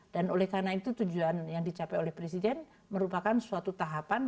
dan oleh karena itu tujuan yang dicapai oleh presiden merupakan suatu tahapan